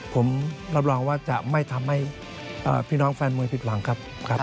ผมรับรองว่าจะไม่ทำให้พี่น้องแฟนมวยผิดหวังครับ